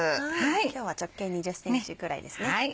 今日は直径２０ｃｍくらいですね。